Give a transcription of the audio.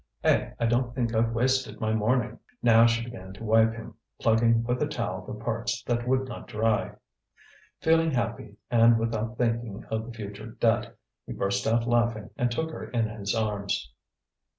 Eh, I don't think I've wasted my morning!" Now she began to wipe him, plugging with a towel the parts that would not dry. Feeling happy and without thinking of the future debt, he burst out laughing and took her in his arms.